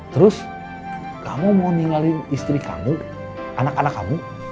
terus kamu mau ninggalin istri kamu anak anak kamu